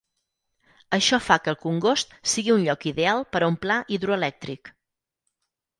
Això fa que el congost sigui un lloc ideal per a un pla hidroelèctric.